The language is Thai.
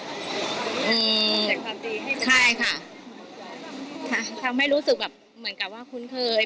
มีแต่ความดีให้ประชาชนค่ะค่ะทำให้รู้สึกแบบเหมือนกับว่าคุ้นเคย